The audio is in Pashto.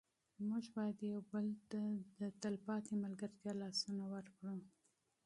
موږ باید یو بل ته د ابدي ملګرتیا لاسونه ورکړو.